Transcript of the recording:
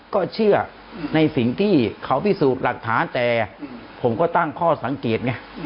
ก็เชื่อในสิ่งที่เขาพิสูจน์หลักฐานแต่ผมก็ตั้งข้อสังเกตไง